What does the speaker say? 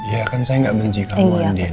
iya kan saya gak benci kamu andien